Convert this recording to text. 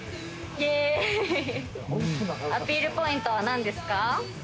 アピールポイントはなんですか？